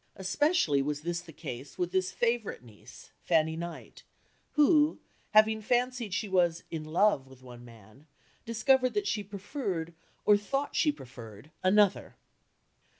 Especially was this the case with this favourite niece, Fanny Knight, who, having fancied she was "in love" with one man, discovered that she preferred, or thought she preferred, another.